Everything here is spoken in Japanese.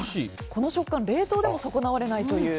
この食感冷凍でも損なわれないという。